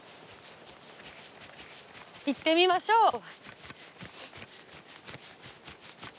行ってみましょう。